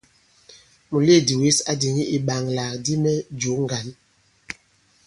Mùleèdì wěs a dìŋì ìɓaŋalàkdi mɛ jǒ ŋgǎn.